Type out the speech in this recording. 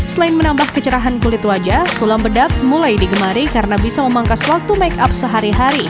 selain menambah kecerahan kulit wajah sulam bedak mulai digemari karena bisa memangkas waktu make up sehari hari